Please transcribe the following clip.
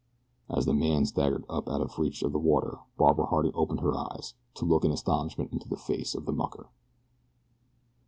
As the man staggered up out of reach of the water Barbara Harding opened her eyes to look in astonishment into the face of the mucker.